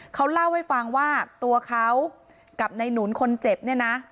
เขาเล่าให้ฟังว่าตัวเขากับในหนุนคนเจ็บเนี่ยนะ